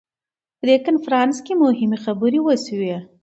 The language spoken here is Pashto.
په دې کنفرانس کې مهمې خبرې وشوې.